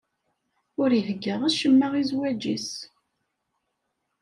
Ur ihegga acemma i zzwaǧ-is.